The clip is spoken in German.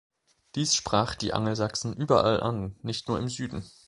Dies sprach die Angelsachsen überall an, nicht nur im Süden.